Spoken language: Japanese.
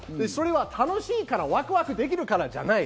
それは楽しいからワクワクできるからじゃない！